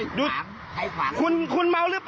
เอ้อยมีตัวอย่างเยอะแยะนะครับ